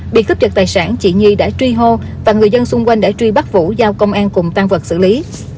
bị cướp giật tài sản chị nhi đã truy hô và người dân xung quanh đã truy bắt vũ giao công an cùng tan vật xử lý